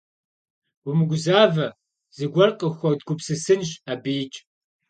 Умыгузавэ, зыгуэр къыхуэдгупсысынщ абыикӏ.